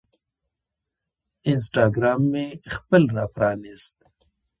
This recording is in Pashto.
انسټاګرام مې خپل راپرانیست